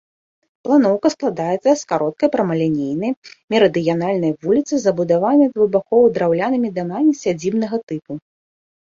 Планоўка складаецца з кароткай прамалінейнай мерыдыянальнай вуліцы, забудаванай двухбакова драўлянымі дамамі сядзібнага тыпу.